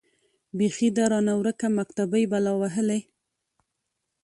بيـخي ده رانـه وركه مــكتبۍ بــلا وهــلې.